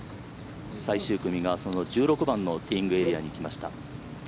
最終組が１６番のティーイングエリアに来ました。